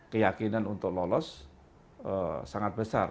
keyakinan untuk lolos sangat besar